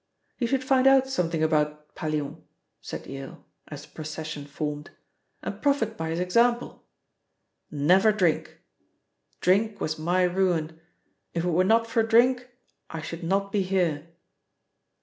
"You should find out something about Pallion," said Yale, as the procession formed, "and profit by his example. Never drink. Drink was my ruin! If it were not for drink I should not be here!"